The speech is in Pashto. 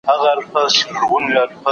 بیا د صمد خان او پاچاخان حماسه ولیکه